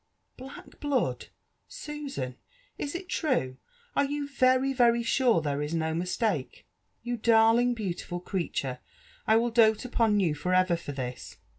" Black blood, Susanf? Is it true? are you very, very sure there is no mistake ? You darling, beautiful creature ! I will doat upon you for ever for this.